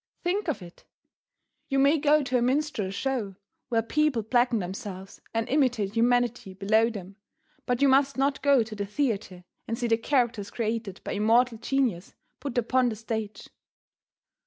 '" Think of it! "You may go to a minstrel show where people blacken themselves and imitate humanity below them, but you must not go to a theatre and see the characters created by immortal genius put upon the stage."